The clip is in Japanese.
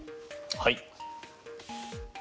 はい。